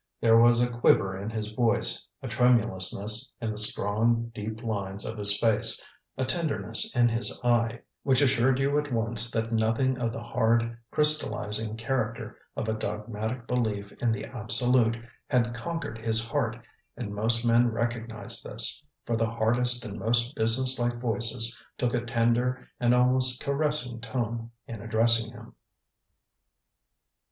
There was a quiver in his voice, a tremulousness in the strong deep lines of his face, a tenderness in his eye, which assured you at once that nothing of the hard crystallising character of a dogmatic belief in the Absolute had conquered his heart, and most men recognised this, for the hardest and most business like voices took a tender and almost caressing tone in addressing him."